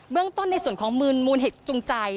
ต้นในส่วนของมูลเหตุจูงใจ